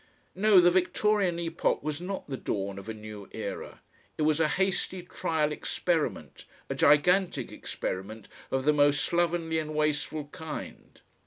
No, the Victorian epoch was not the dawn of a new era; it was a hasty, trial experiment, a gigantic experiment of the most slovenly and wasteful kind.